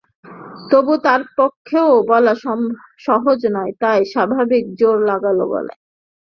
তবু তার পক্ষেও বলা সহজ নয়, তাই অস্বাভাবিক জোর লাগল গলায়।